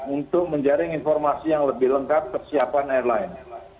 untuk menjaring informasi yang lebih lengkap kesiapan airline